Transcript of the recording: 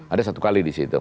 ada satu kali di situ